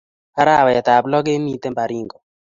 Arawet ab loo kemiten Baringo